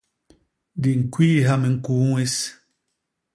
Di ñkwiiha miñkuu ñwés.